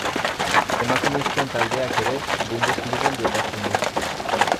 Emakumezkoen taldeak ere Bundesligan jokatzen du.